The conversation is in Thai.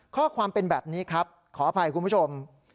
ข้อความเป็นแบบนี้ครับขออภัยคุณผู้ชม